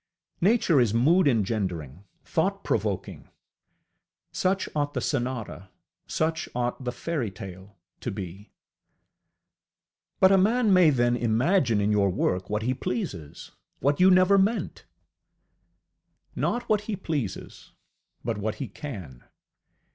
Nature is mood engendering, thought provoking: such ought the sonata, such ought the fairytale to be. ŌĆ£But a man may then imagine in your work what he pleases, what you never meant! ŌĆØ Not what he pleases, but what he can.